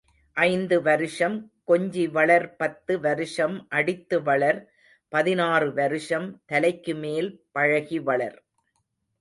ஐந்து வருஷம் கொஞ்சி வளர் பத்து வருஷம் அடித்து வளர் பதினாறு வருஷம் தலைக்கு மேல் பழகி வளர்.